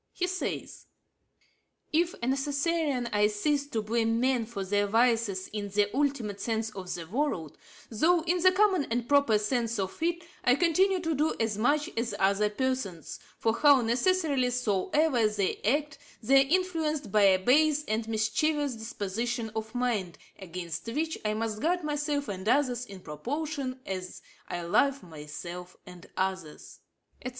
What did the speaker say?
He says: 'If as a Necessarian I cease to blame men for their vices in the ultimate sense of the word, though, in the common and proper sense of it, I continue to do as much as other persons (for how necessarily soever they act, they are influenced by a base and mischievous disposition of mind, against which I must guard myself and others in proportion as I love myself and others),' &c.